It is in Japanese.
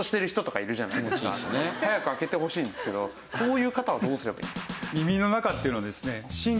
早く空けてほしいんですけどそういう方はどうすればいいんですか？